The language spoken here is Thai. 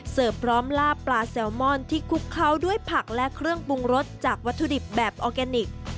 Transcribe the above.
พร้อมลาบปลาแซลมอนที่คลุกเคล้าด้วยผักและเครื่องปรุงรสจากวัตถุดิบแบบออร์แกนิค